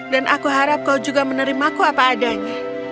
dan aku harap kau juga menerimaku apa adanya